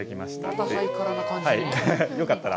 またハイカラな感じ。